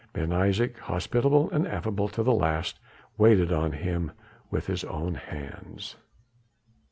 Ben Isaje, hospitable and affable to the last, waited on him with his own hands.